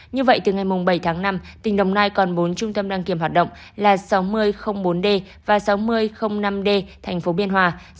như vậy từ ngày bảy tháng năm tỉnh đồng nai còn bốn trung tâm đăng kiểm hoạt động là sáu nghìn bốn d và sáu nghìn năm d thành phố biên hòa